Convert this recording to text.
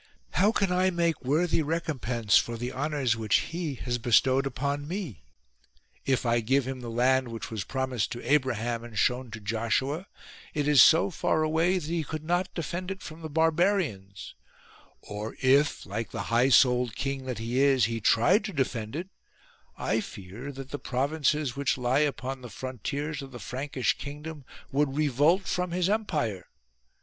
How can I make worthy recompense for the honours which he has bestowed upon me ? If I give him the land which was promised to Abraham and shown to Joshua, it is so far away that he could not defend it from the barbarians : or if, like the high souled king that he is, he tried to defend it I fear that the pro vinces which lie upon the frontiers of the Prankish 123 JERUSALEM GIVEN TO CHARLES kingdom would revolt from his empire.